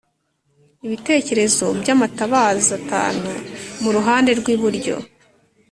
Ibitereko by’amatabaza atanu mu ruhande rw’iburyo